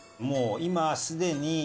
「もう今すでに」。